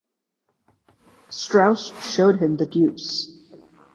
Straus showed him the deuce.